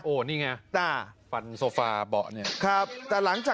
โอ้นี่ไงฟันโซฟาเบาะนี่